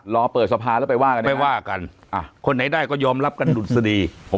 รอเปิดสภาแล้วไปว่ากันคนไหนได้ก็ยอมรับกันหลุดซะดี